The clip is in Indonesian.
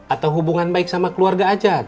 atau hubungan baik sama keluarga aja